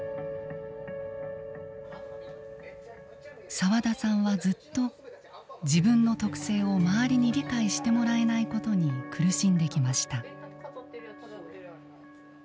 澤田さんはずっと自分の特性を周りに理解してもらえないことに苦しんできました。